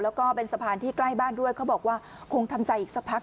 แล้วก็เป็นสะพานที่ใกล้บ้านด้วยเขาบอกว่าคงทำใจอีกสักพัก